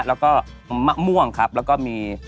แล้วก็มะม่วงครับแล้วก็มี